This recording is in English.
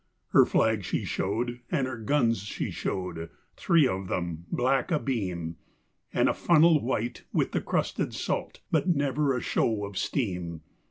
Her flag she showed, and her guns she showed three of them, black, abeam, And a funnel white with the crusted salt, but never a show of steam.